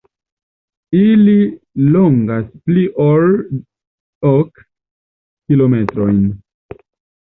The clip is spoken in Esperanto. Ili longas pli ol ok kilometrojn.